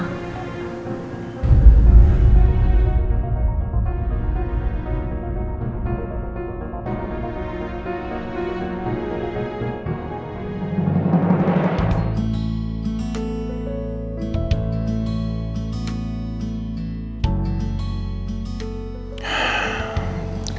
tidak boleh emosional